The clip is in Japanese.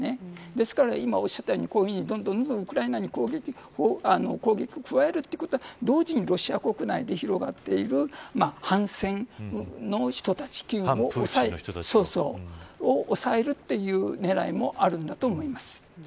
ですから今おっしゃったようにどんどんウクライナに攻撃を加えるということは同時にロシア国内で広がっている反戦の人たちを抑えるという狙いもあるんだと思います。